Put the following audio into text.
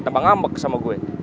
tambah ngambek sama gue